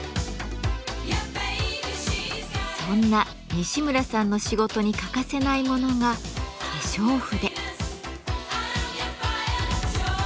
そんな西村さんの仕事に欠かせないものが「化粧筆」。